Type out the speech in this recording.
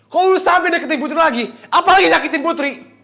kalo lu sampe deketin putri lagi apalagi nyakitin putri